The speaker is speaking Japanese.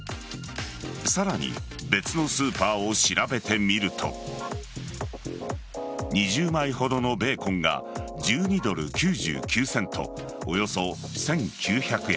さらに別のスーパーを調べてみると２０枚ほどのベーコンが１２ドル９９セントおよそ１９００円。